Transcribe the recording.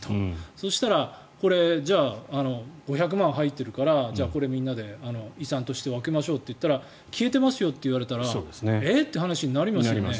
そうしたら、じゃあ５００万円入っているからじゃあこれ、みんなで遺産として分けましょうとなって消えてますよと言われたらえっ？って話になりますよね。